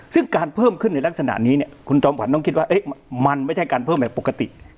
ซึ่งการเพิ่มขึ้นในลักษณะนี้เนี่ยคุณจอมขวัญต้องคิดว่ามันไม่ใช่การเพิ่มแบบปกติ